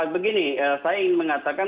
begini saya ingin mengatakan